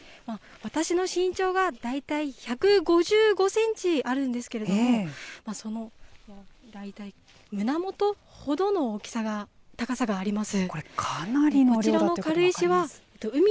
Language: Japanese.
私の身長が大体１５５センチあるんですけれども、その大体胸元ほどの高さがあります。